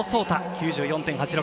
９４．８６。